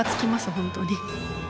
本当に。